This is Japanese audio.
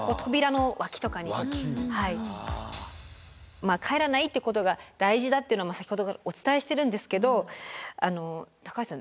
まあ帰らないってことが大事だっていうのも先ほどからお伝えしてるんですけど高橋さん